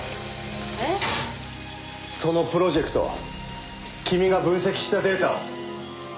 そのプロジェクト君が分析したデータを。